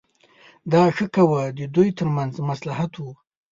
دا ښه کوه د دوی ترمنځ مصلحت و.